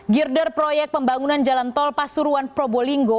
girder proyek pembangunan jalan tol pasuruan probolinggo